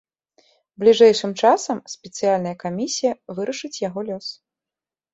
Бліжэйшым часам спецыяльная камісія вырашыць яго лёс.